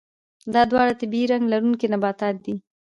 دا دواړه د طبیعي رنګ لرونکي نباتات دي.